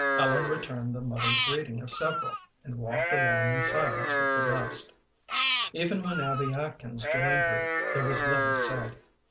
Ellen returned the muttered greeting of several, and walked along in silence with the rest. Even when Abby Atkins joined her there was little said.